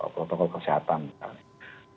protokol kesehatan misalnya